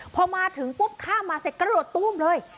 พอมาถึงปุ๊บข้ามมาเสร็จกระโดดตู้มเลย